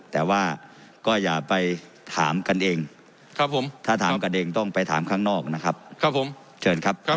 แต่ว่าก็อย่าไปถามกันเองครับผมถ้าถามกันเองต้องไปถามข้างนอกนะครับครับผมเชิญครับ